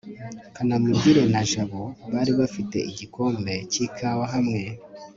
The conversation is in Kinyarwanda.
kanamugire na jabo bari bafite igikombe cy'ikawa hamwe